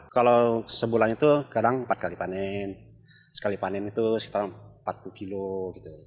kalau sebulan itu kadang empat kali panen sekali panen itu sekitar empat puluh kilo gitu